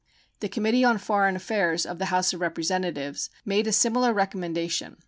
The Committee on Foreign Affairs of the House of Representatives made a similar recommendation.